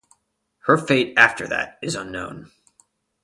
Her fate after that is unknown.